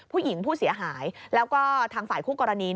ผู้หญิงผู้เสียหายแล้วก็ทางฝ่ายคู่กรณี